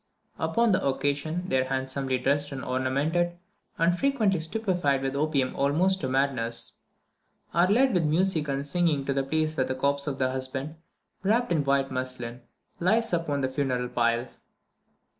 Upon the occasion, they are handsomely dressed and ornamented, and frequently stupefied with opium almost to madness; are led with music and singing to the place where the corpse of the husband, wrapped in white muslin, lies upon the funeral pile.